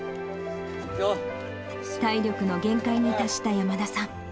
体力の限界に達した山田さん。